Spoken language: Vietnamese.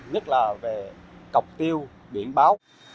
nhất là về cọc tiêu biển báo